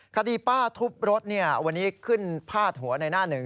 คดีป้าทุบรถวันนี้ขึ้นพาดหัวในหน้าหนึ่ง